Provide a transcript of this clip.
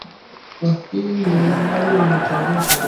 kwa hiyo hilo nalo limechangia watanzania wengi kutochagua